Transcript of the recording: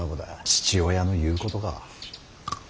父親の言うことか。